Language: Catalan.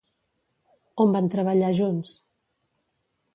On van treballar junts?